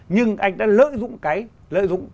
nhưng anh đã lợi dụng cái